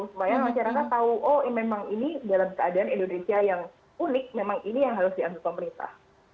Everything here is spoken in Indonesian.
supaya masyarakat tahu oh memang ini dalam keadaan indonesia yang unik memang ini yang harus diambil pemerintah